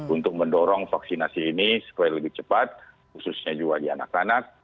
untuk mendorong vaksinasi ini supaya lebih cepat khususnya juga di anak anak